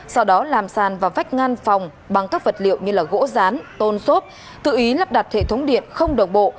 sau đó làm sàn và vách ngăn phòng bằng các vật liệu như gỗ rán tôn xốp tự ý lắp đặt hệ thống điện không đồng bộ